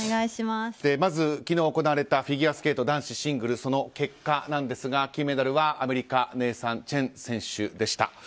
まず、昨日行われたフィギュアスケート男子シングルの結果ですが金メダルはアメリカネイサン・チェン選手でした。